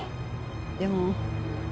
でも。